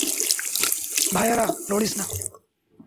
ভাইয়েরা, লড়িস না।